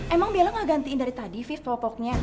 emang bella gak gantiin dari tadi viv popoknya